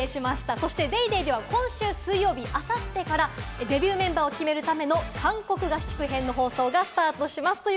そして『ＤａｙＤａｙ．』では今週水曜日、あさってからデビューメンバーを決めるための韓国合宿編の放送がスタートします。